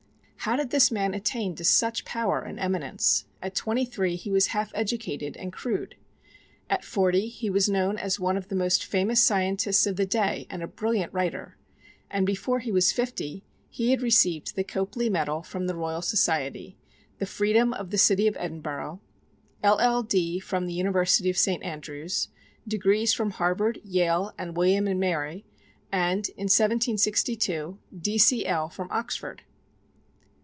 How did this man attain to such power and eminence? At twenty three he was half educated and crude. At forty he was known as one of the most famous scientists of the day and a brilliant writer; and before he was fifty he had received the Copley medal from the Royal Society; the freedom of the City of Edinburgh; LL.D. from the University of St. Andrews; degrees from Harvard, Yale, and William and Mary; and, in 1762, D.C.L. from Oxford.